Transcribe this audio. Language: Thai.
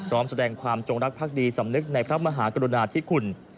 พร้อมแสดงความจงรักภักดีสำนึกในพระมหากรุณาธิคุณ